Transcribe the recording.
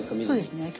そうですね。